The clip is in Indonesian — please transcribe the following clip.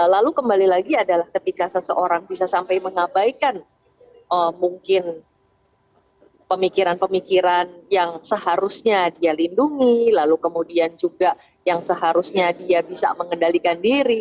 lalu kembali lagi adalah ketika seseorang bisa sampai mengabaikan mungkin pemikiran pemikiran yang seharusnya dia lindungi lalu kemudian juga yang seharusnya dia bisa mengendalikan diri